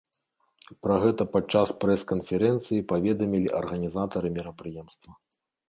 Пра гэта падчас прэс-канферэнцыі паведамілі арганізатары мерапрыемства.